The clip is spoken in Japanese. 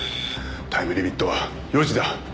タイムリミットは４時だ。